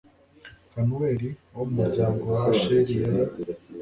fanuweli wo mu muryango wa asheri yari